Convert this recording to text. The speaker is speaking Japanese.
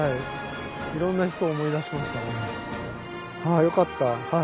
あよかった。